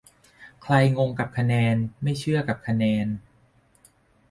ใครงงกับคะแนน ไม่เชื่อกับคะแนน